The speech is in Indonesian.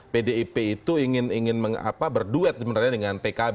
pdip itu ingin berduet sebenarnya dengan pkb